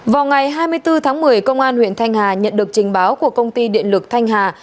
vào ngày hai mươi bốn tháng một mươi công an huyện thanh hà nhận được trình báo của công ty điện lực thanh hà